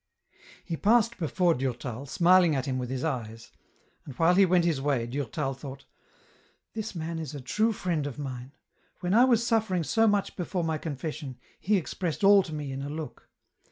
He passed before Durtal, smiling at him with his eyes : and while he went his way, Durtal thought, " This man is a true friend of mine ; when I was suffering so much before my confession, he expressed all to me in a look.